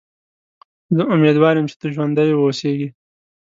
زه امیدوار یم چې ته ژوندی و اوسېږې.